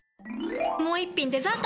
もう一品デザート！